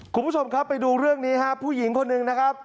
คุณผู้ชมครับไปดูเรื่องนี้ครับผู้หญิงคนหนึ่งนะครับ